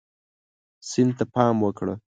سیند ته پام وکړه.